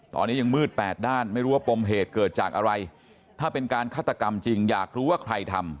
ตอนนี้ยังมืดแปดด้านไม่รู้ว่าปมเหตุเกิดจากอะไรถ้าเป็นการฆาตกรรมจริงอยากรู้ว่าใครทำ